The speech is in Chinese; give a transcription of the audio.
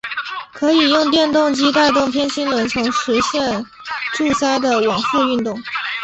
可以用电动机带动偏心轮从而实现柱塞的往复运动。